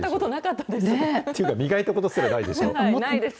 っていうか、磨いたことすらないです。